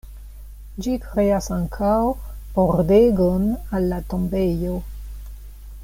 Ĝi kreas ankaŭ pordegon al la tombejo.